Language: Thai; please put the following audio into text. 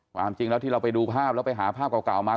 ความจริงแล้วที่เราไปดูภาพแล้วไปหาภาพเก่ามา